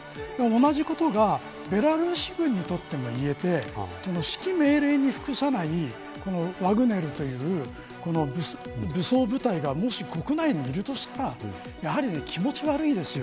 同じことがベラルーシ軍にとっても言えて指揮命令に服さないワグネルという武装部隊がもし国内にいるとしたらやはり、気持ち悪いですよ。